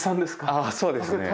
ああそうですね。